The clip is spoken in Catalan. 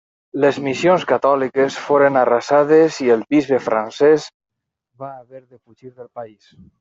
Les missions catòliques foren arrasades i el bisbe francès va haver de fugir del país.